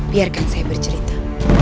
biarkan saya bercerita